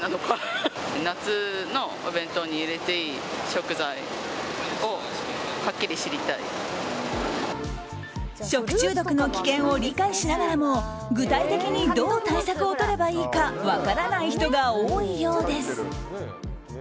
食中毒の危険を理解しながらも具体的にどう対策をとればいいか分からない人が多いようです。